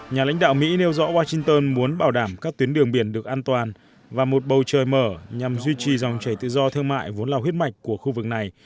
nhà lãnh đạo mỹ nêu rõ washington muốn bảo đảm các tuyến đường biển được an toàn và một bầu trời mở nhằm duy trì dòng chảy tự do thương mại vốn là huyết mạch của khu vực này